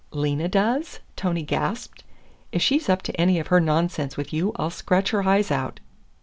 "Lena does?" Tony gasped. "If she's up to any of her nonsense with you, I'll scratch her eyes out!"